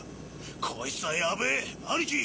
こいつはヤベェアニキ！